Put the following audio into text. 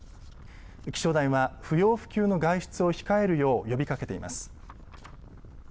気象台は不要不急の外出を控えるよう呼びかけています。